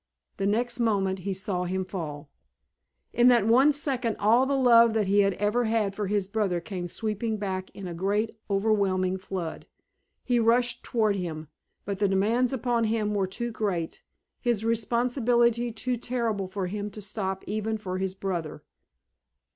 The next moment he saw him fall. In that one second all the love that he had ever had for his brother came sweeping back in a great overwhelming flood. He rushed toward him, but the demands upon him were too great, his responsibility too terrible for him to stop even for his brother.